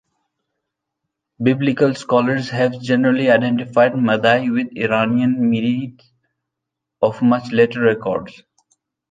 Biblical scholars have generally identified Madai with the Iranian Medes of much later records.